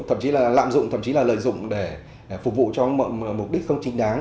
thậm chí là lợi dụng để phục vụ cho mục đích không chính đáng